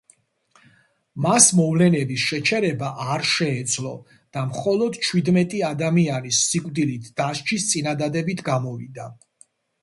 მას მოვლენების შეჩერება არ შეეძლო და მხოლოდ ჩვიდმეტი ადამიანის სიკვდილით დასჯის წინადადებით გამოვიდა.